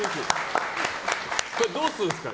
これ、どうするんですか？